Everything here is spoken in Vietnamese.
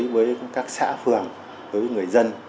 với các xã phường với người dân